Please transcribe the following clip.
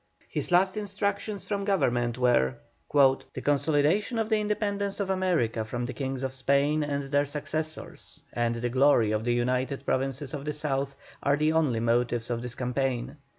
His last instructions from Government were: "The consolidation of the independence of America from the Kings of Spain and their successors, and the glory of the United Provinces of the South, are the only motives of this campaign.